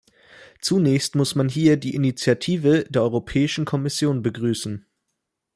Zunächst muss man hier die Initiative der Europäischen Kommission begrüßen.